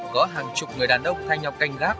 có hàng chục người đàn ông thay nhau canh